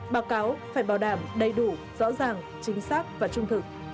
báo cáo phải bảo đảm đầy đủ rõ ràng chính xác và trung thực